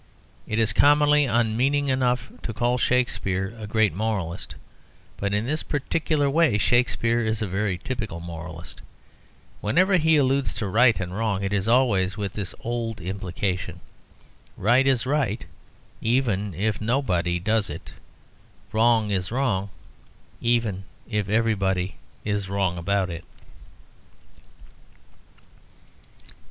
It is commonly unmeaning enough to call Shakspere a great moralist; but in this particular way Shakspere is a very typical moralist. Whenever he alludes to right and wrong it is always with this old implication. Right is right, even if nobody does it. Wrong is wrong, even if everybody is wrong about it.